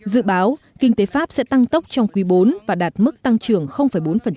dự báo kinh tế pháp sẽ tăng tốc trong quý bốn và đạt mức tăng trưởng bốn